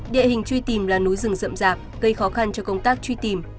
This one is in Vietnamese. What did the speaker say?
địa hình truy tìm là núi rừng rậm rạp gây khó khăn cho công tác truy tìm